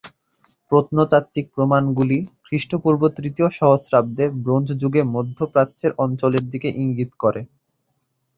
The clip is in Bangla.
প্রত্নতাত্ত্বিক প্রমাণগুলি খ্রিস্টপূর্ব তৃতীয় সহস্রাব্দে ব্রোঞ্জ যুগে মধ্য প্রাচ্যের অঞ্চলের দিকে ইঙ্গিত করে।